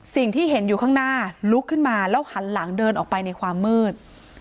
สิ่งที่เห็นอยู่ข้างหน้าลุกขึ้นมาแล้วหันหลังเดินออกไปในความมืด